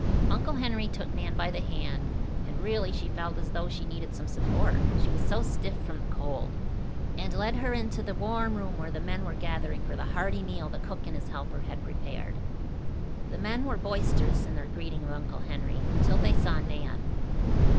Uncle Henry took Nan by the hand, and, really she felt as though she needed some support, she was so stiff from the cold, and led her into the warm room where the men were gathering for the hearty meal the cook and his helper had prepared. The men were boisterous in their greeting of Uncle Henry, until they saw Nan.